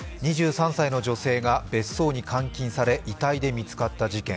２３歳の女性が別荘に監禁され遺体で見つかった事件。